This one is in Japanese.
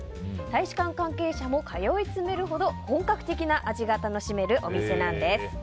大使館関係者も通い詰めるほど本格的な味が楽しめるお店なんです。